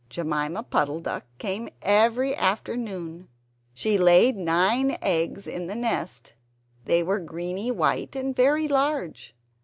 Jemima Puddle duck came every afternoon; she laid nine eggs in the nest. They were greeny white and very large.